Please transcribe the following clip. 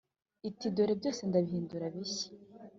iti “Dore byose ndabihindura bishya.”